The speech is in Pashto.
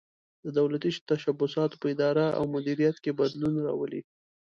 د دولتي تشبثاتو په اداره او مدیریت کې بدلون راولي.